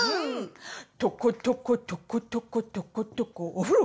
とことことことことことこお風呂！